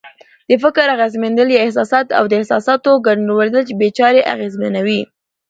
د فکر اغېزمنېدل یې احساسات او د احساساتو ګډوډېدل یې چارې اغېزمنوي.